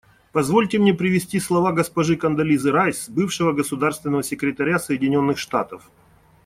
Позвольте мне привести слова госпожи Кондолизы Райс, бывшего государственного секретаря Соединенных Штатов.